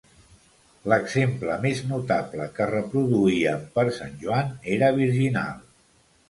L'exemple més notable que reproduíem per sant Joan era virginal.